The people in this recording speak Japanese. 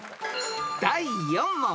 ［第４問］